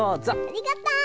ありがとう！